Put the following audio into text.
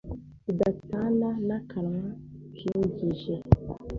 bidatana n'akanwa k'injiji